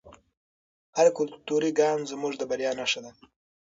هر کلتوري ګام زموږ د بریا نښه ده.